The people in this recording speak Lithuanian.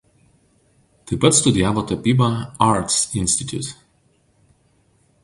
Taip pat studijavo tapybą Arts Institute.